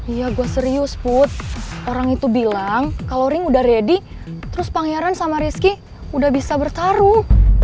iya gue serius put orang itu bilang kalo ring udah ready terus pangeran sama rizky udah bisa bertaruh